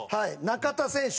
中田選手